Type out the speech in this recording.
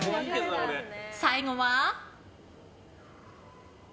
最後は。